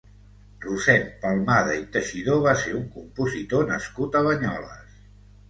Rossend Palmada i Teixidor va ser un compositor nascut a Banyoles.